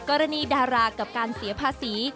กรณีดารากับการเสียภาษี